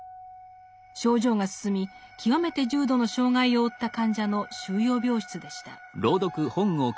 症状が進み極めて重度の障害を負った患者の収容病室でした。